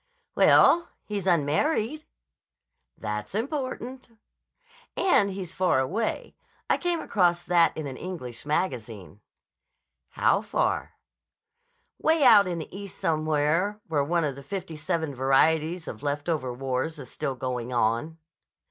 "Well, he's unmarried." "That's important." "And he's far away. I came across that in an English magazine." "How far?" "Way out in the East somewhere where one of the fifty seven varieties of left over wars is still going on."